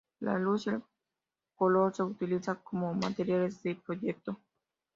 La luz y el color se utilizan como materiales de proyecto.